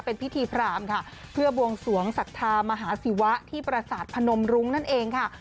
เป็นพิธีพรามค่ะเพื่อบวงสวงศรัทธามหาศิวะที่ประสาทพนมรุ้งนั่นเองค่ะ